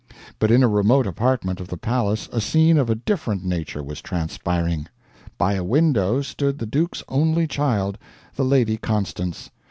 But in a remote apartment of the palace a scene of a different nature was transpiring. By a window stood the duke's only child, the Lady Constance.